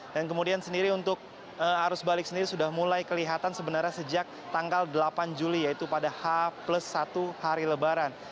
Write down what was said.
kemudian sendiri untuk arus balik sendiri sudah mulai kelihatan sebenarnya sejak tanggal delapan juli yaitu pada h satu hari lebaran